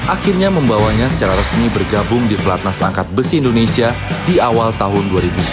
akhirnya membawanya secara resmi bergabung di platnas angkat besi indonesia di awal tahun dua ribu sembilan belas